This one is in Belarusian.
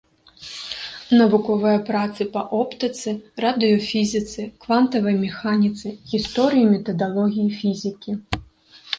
Навуковыя працы па оптыцы, радыёфізіцы, квантавай механіцы, гісторыі і метадалогіі фізікі.